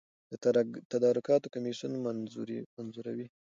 د تدارکاتو کمیسیون منظوروي